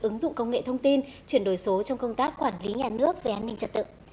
ứng dụng công nghệ thông tin chuyển đổi số trong công tác quản lý nhà nước về an ninh trật tự